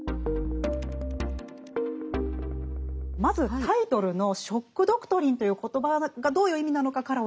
まずタイトルの「ショック・ドクトリン」という言葉がどういう意味なのかから教えて頂けますか？